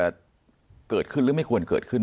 จะเกิดขึ้นหรือไม่ควรเกิดขึ้น